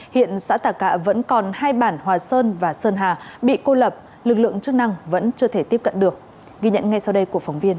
hiện xã tà cạ vẫn còn hai bản hòa sơn và sơn hà bị cô lập lực lượng chức năng vẫn chưa thể tiếp cận được